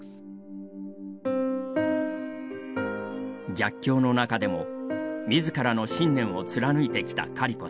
逆境の中でもみずからの信念を貫いてきたカリコさん。